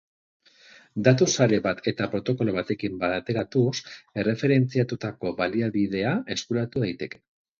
Datu-sare bat eta protokolo batekin bateratuz, erreferentziatutako baliabidea eskuratu daiteke.